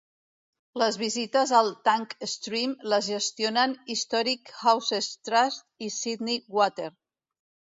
Les visites al Tank Stream les gestionen Historic Houses Trust i Sydney Water.